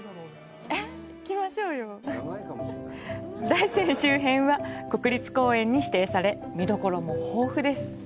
大山周辺は国立公園に指定され見どころも豊富です。